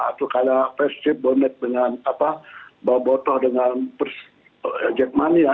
atau kayak pescet bonnet dengan boboto dengan jack mania